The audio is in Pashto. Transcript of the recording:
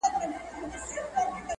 • تر يو څو جرګو را وروسته -